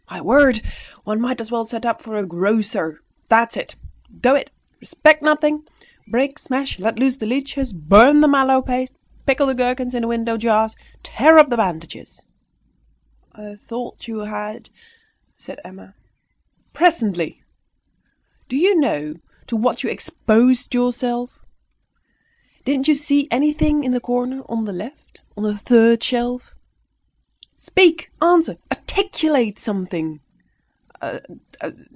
My word! One might as well set up for a grocer. That's it! go it! respect nothing! break, smash, let loose the leeches, burn the mallow paste, pickle the gherkins in the window jars, tear up the bandages!" "I thought you had " said Emma. "Presently! Do you know to what you exposed yourself? Didn't you see anything in the corner, on the left, on the third shelf? Speak, answer, articulate something."